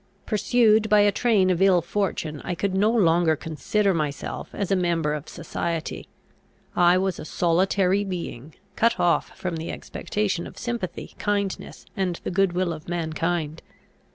Pursued by a train of ill fortune, I could no longer consider myself as a member of society. I was a solitary being, cut off from the expectation of sympathy, kindness, and the good will of mankind.